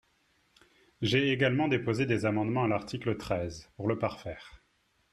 J’ai également déposé des amendements à l’article treize pour le parfaire.